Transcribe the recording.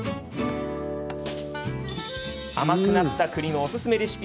甘くなったくりのおすすめレシピ